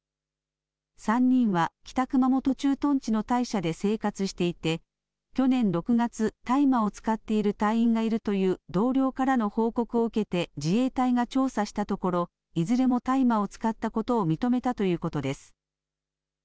３人は北熊本駐屯地の隊舎で生活していて、去年６月、大麻を使っている隊員がいるという同僚からの報告を受けて自衛隊が調査したところいずれも大麻を使ったことを認めたということです。